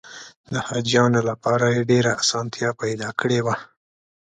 د حاجیانو لپاره یې ډېره اسانتیا پیدا کړې وه.